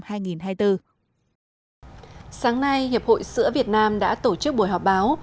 sáng nay hiệp hội sữa việt nam đã tổ chức buổi họp báo